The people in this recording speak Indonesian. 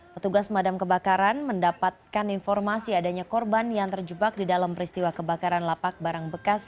petugas madam kebakaran mendapatkan informasi adanya korban yang terjebak di dalam peristiwa kebakaran lapak barang bekas